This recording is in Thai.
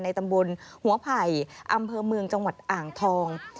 ตำบลหัวไผ่อำเภอเมืองจังหวัดอ่างทอง